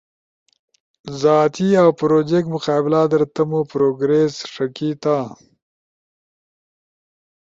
زاتی اؤ پروجیکٹ مقابلہ در تمو پروگریس ݜکیتا